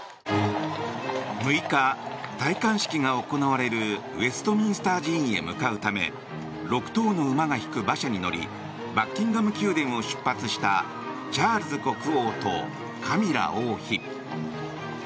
６日、戴冠式が行われるウェストミンスター寺院へ向かうため６頭の馬が引く馬車に乗りバッキンガム宮殿を出発したチャールズ国王とカミラ王妃。